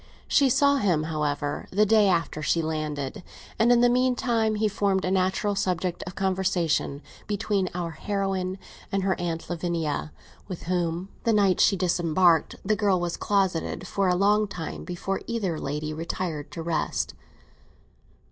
She saw him, however, the day after she landed; and, in the meantime, he formed a natural subject of conversation between our heroine and her Aunt Lavinia, with whom, the night she disembarked, the girl was closeted for a long time before either lady retired to rest.